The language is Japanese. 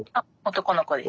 男の子です。